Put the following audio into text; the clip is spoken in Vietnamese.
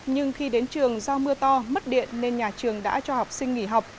nhưng khi đến trường do mưa to mất điện nên nhà trường đã cho học sinh nghỉ học